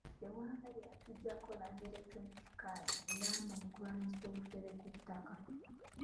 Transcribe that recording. Kyewalabye yagunjaawo Land Electronic Card eyamba mu kulwanyisa obufere ku ttaka.